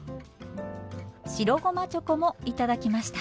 白ごまチョコも頂きました。